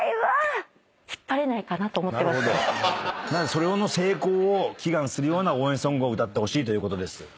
その成功を祈願するような応援ソングを歌ってほしいということです。